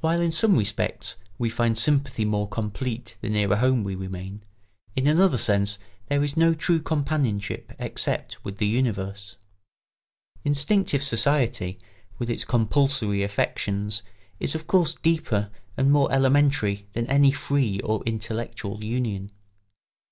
While in some respects we find sympathy more complete the nearer home we remain, in another sense there is no true companionship except with the universe. Instinctive society, with its compulsory affections, is of course deeper and more elementary than any free or intellectual union.